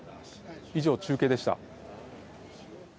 以上、中継でした。